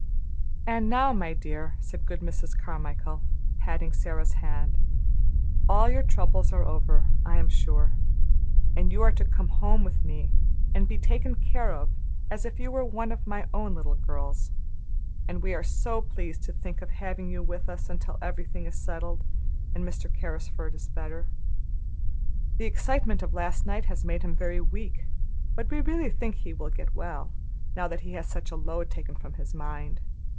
"And now, my dear," said good Mrs. Carmichael, patting Sara's hand, "all your troubles are over, I am sure, and you are to come home with me and be taken care of as if you were one of my own little girls; and we are so pleased to think of having you with us until everything is settled, and Mr. Carrisford is better. The excitement of last night has made him very weak, but we really think he will get well, now that such a load is taken from his mind.